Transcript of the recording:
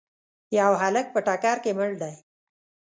یو هلک په ټکر کي مړ دی.